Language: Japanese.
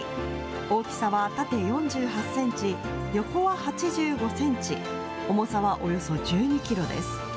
大きさは縦４８センチ、横は８５センチ、重さはおよそ１２キロです。